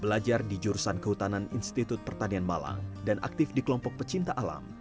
belajar di jurusan kehutanan institut pertanian malang dan aktif di kelompok pecinta alam